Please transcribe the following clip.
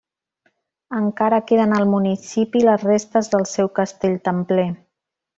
Encara queden al municipi les restes del seu castell templer.